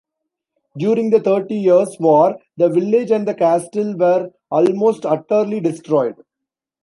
During the Thirty Years' War, the village and the castle were almost utterly destroyed.